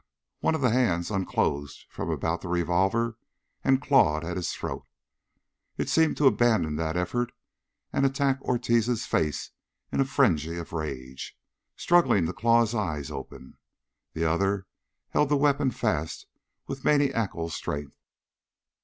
One of the hands unclosed from about the revolver and clawed at his throat. It seemed to abandon that effort and attacked Ortiz's face in a frenzy of rage, struggling to claw his eyes open. The other held the weapon fast with maniacal strength.